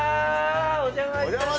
お邪魔いたします。